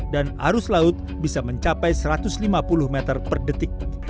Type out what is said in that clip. dan arus laut bisa mencapai satu ratus lima puluh meter per detik